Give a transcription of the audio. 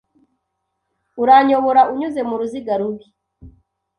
Uranyobora unyuze mu ruziga rubi